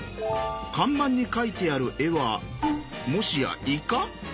看板に描いてある絵はもしやイカ？